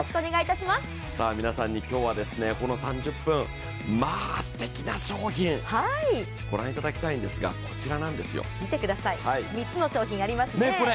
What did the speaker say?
皆さんに今日は、この３０分まあすてきな商品、御覧いただきたいんですが、こちら見てください、３つの商品ありますね。